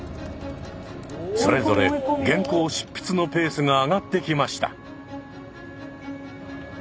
それぞれ原稿執筆のペースが上がってきました。